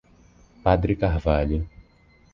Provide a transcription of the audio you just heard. Padre Carvalho